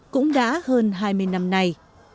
cũng đã hơn hai mươi năm nay